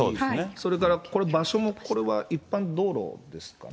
それからこれ、場所もこれは一般道路ですかね。